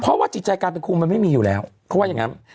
เพราะว่าจิตใจการเป็นครูมันไม่มีอยู่แล้วเขาว่าอย่างนั้น